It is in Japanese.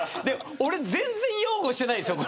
俺、全然擁護してないですよ。